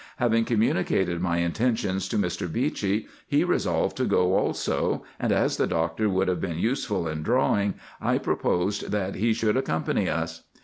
Having communicated my intention to Mr. Beechey, he resolved to go also, and as the doctor would have been useful in drawing, I proposed that he should accompany vis.